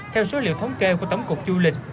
theo số liệu thống kê của tổng cục du lịch